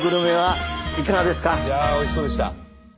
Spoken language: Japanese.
いやあおいしそうでした！